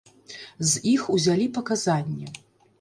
З іх узялі паказанні.